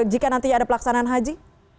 jika nanti ada pelaksanaan haji